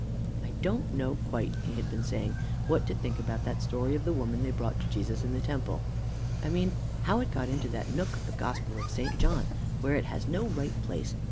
"I don't know quite," he had been saying, "what to think about that story of the woman they brought to Jesus in the temple I mean how it got into that nook of the gospel of St. John, where it has no right place.